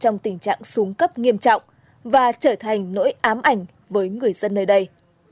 trong tình trạng xuống cấp nghiêm trọng và trở thành nỗi ám ảnh với người dân nơi đây